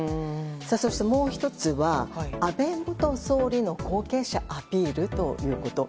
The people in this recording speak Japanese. そして、もう１つは安倍元総理の後継者のアピールということ。